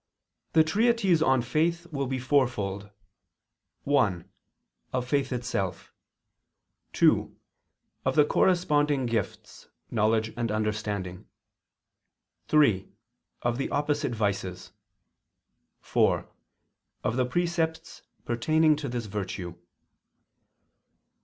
The treatise on Faith will be fourfold: (1) Of faith itself; (2) Of the corresponding gifts, knowledge and understanding; (3) Of the opposite vices; (4) Of the precepts pertaining to this virtue.